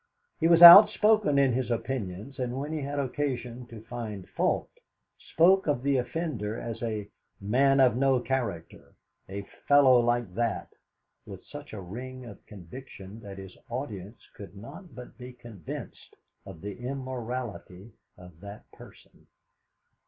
He was outspoken in his opinions, and when he had occasion to find fault, spoke of the offender as "a man of no character," "a fellow like that," with such a ring of conviction that his audience could not but be convinced of the immorality of that person.